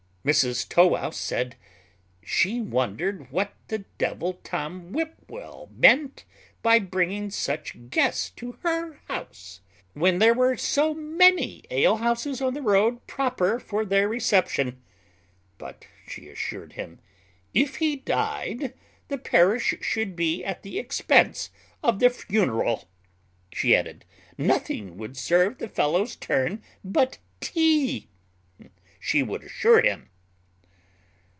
Mrs Tow wouse said, "She wondered what the devil Tom Whipwell meant by bringing such guests to her house, when there were so many alehouses on the road proper for their reception. But she assured him, if he died, the parish should be at the expense of the funeral." She added, "Nothing would serve the fellow's turn but tea, she would assure him."